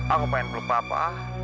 aku pengen belum papa